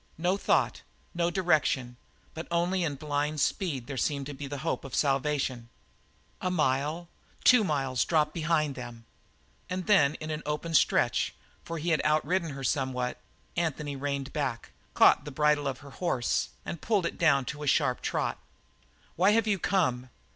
No thought, no direction; but only in blind speed there seemed to be the hope of a salvation. A mile, two miles dropped behind them, and then in an open stretch, for he had outridden her somewhat, Anthony reined back, caught the bridle of her horse, and pulled it down to a sharp trot. "Why have you come?"